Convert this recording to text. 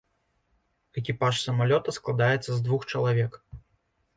Экіпаж самалёта складаецца з двух чалавек.